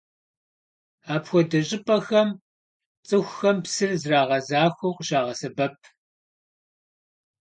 Апхуэдэ щӀыпӀэхэм цӀыхухэм псыр зрагъэзахуэу къыщагъэсэбэп.